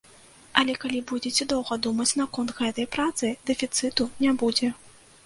Але калі будзеце доўга думаць наконт гэтай працы, дэфіцыту не будзе.